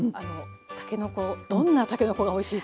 たけのこどんなたけのこがおいしいと。